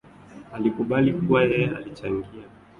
Alikubali kuwa yeye alichangia kuuawa kwa Biko na askari